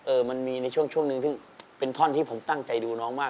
มันมีในช่วงหนึ่งซึ่งเป็นท่อนที่ผมตั้งใจดูน้องมาก